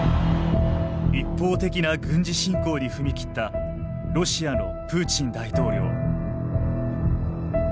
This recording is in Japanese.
一方的な軍事侵攻に踏み切ったロシアのプーチン大統領。